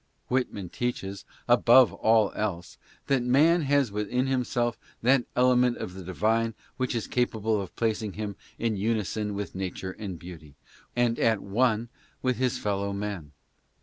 Whitman teaches, above all else, that man has within himself that element of the divine which is capable of placing him in unison with nature and beauty, and at one with his fellow men.